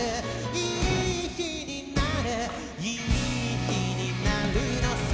「いい日になるいい日になるのさ」